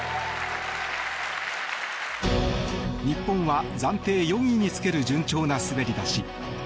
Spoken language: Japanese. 日本は暫定４位につける順調な滑り出し。